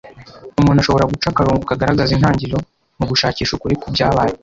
umuntu ashobora guca akarongo kagaragaza intangiro mu gushakisha ukuri ku byabaye